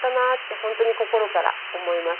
本当に心から思います。